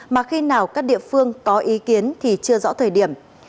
mà khi nào các địa phương có ý kiến thì chưa rõ thời điểm